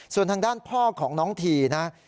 ส่วนทางด้านพ่อของน้องทีนะ